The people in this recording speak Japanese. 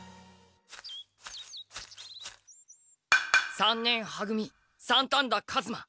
三年は組三反田数馬。